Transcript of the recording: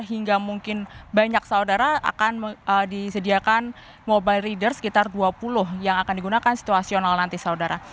hingga mungkin banyak saudara akan disediakan mobile reader sekitar dua puluh yang akan digunakan situasional nanti saudara